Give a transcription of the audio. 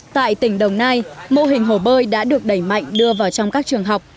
tại tỉnh đồng nai mô hình hồ bơi đã được đẩy mạnh đưa vào trong các trường học